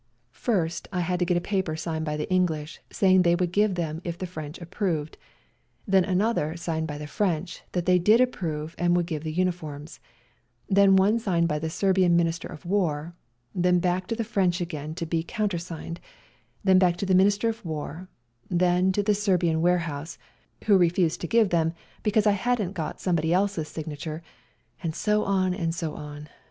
First I had to get a paper signed OFFICERS SITTING OUTSIDE MY TENT Paze 220 COLONEL MILITCH ON DIANA Page 244 WE GO TO CORFU 221 by the English saying they would give them if the French approved ; then another, signed by the French, that they did approve and would give the uniforms ; then one signed by the Serbian Minister of War ; then back to the French again to be countersigned ; then back to the Minister of War ; then to the Serbian warehouse, who refused to give them because I hadn't got somebody else's signature, and so on and so on.